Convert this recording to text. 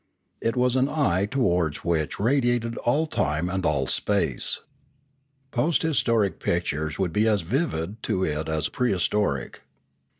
It was an eye towards which radiated all time and all space. Post historic pictures would be as vivid to it as prehistoric.